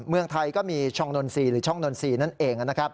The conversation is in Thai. เมืองไทยก็มีช่องนอนสีหรือช่องนอนสีนั่นเอง